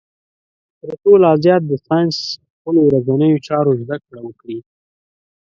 تر څو لا زیات د ساینس خپلو ورځنیو چارو زده کړه وکړي.